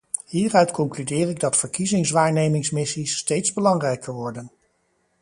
Hieruit concludeer ik dat verkiezingswaarnemingsmissies steeds belangrijker worden.